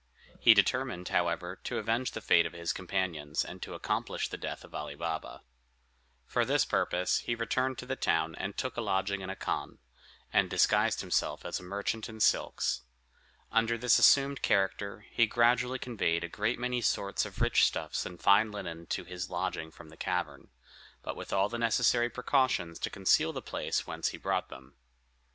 He determined, however, to avenge the fate of his companions, and to accomplish the death of Ali Baba. For this purpose he returned to the town and took a lodging in a khan, and disguised himself as a merchant in silks. Under this assumed character, he gradually conveyed a great many sorts of rich stuffs and fine linen to his lodging from the cavern, but with all the necessary precautions to conceal the place whence he brought them.